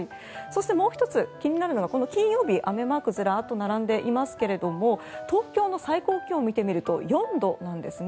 もう１月になるのが金曜日雨マークずらっと並んでいますけれども東京の最高気温見てみると４度なんですね。